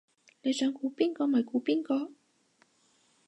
你想估邊個咪估邊個